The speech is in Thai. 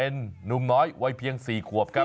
เป็นนุ่มน้อยวัยเพียง๔ขวบครับ